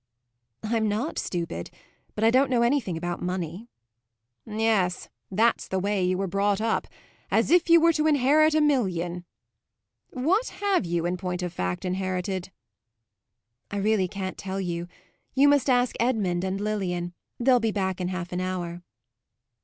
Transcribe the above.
"I'm not stupid; but I don't know anything about money." "Yes, that's the way you were brought up as if you were to inherit a million. What have you in point of fact inherited?" "I really can't tell you. You must ask Edmund and Lilian; they'll be back in half an hour."